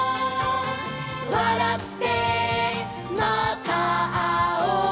「わらってまたあおう」